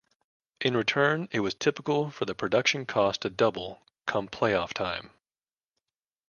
In return, it was typical for the production cost to double come playoff time.